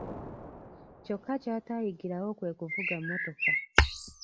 Kyokka ky'atayigirawo kwe kuvuga mmotoka.